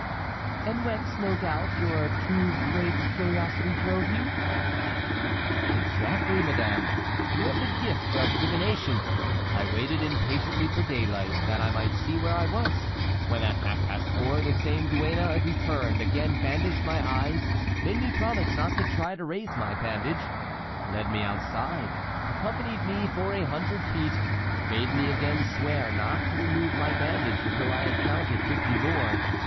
"And whence, no doubt, your too great curiosity drove you?" "Exactly, madame; you have the gift of divination. I waited, impatiently, for daylight, that I might see where I was, when at half past four the same duenna returned, again bandaged my eyes, made me promise not to try to raise my bandage, led me outside, accompanied me for a hundred feet, made me again swear not to remove my bandage until I had counted fifty more.